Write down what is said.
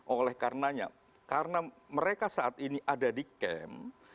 oleh karenanya karena mereka saat ini ada di kem